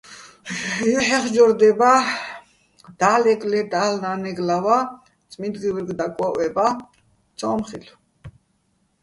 ჲუჰ̦ეხჯორ დება́, და́ლეგო̆, ლე დალნა́ნეგო̆ ლავა́, წმიდგივუ́ჲრგ დაკვო́ჸვება́, ცო́მ ხილ'ო̆.